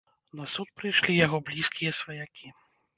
На суд прыйшлі яго блізкія сваякі.